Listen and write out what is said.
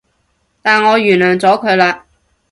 但我原諒咗佢喇